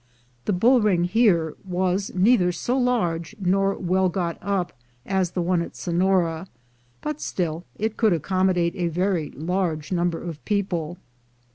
The bull ring here was neither so large nor so well got up as the one at Sonora, but still it could accommodate a very large number of people.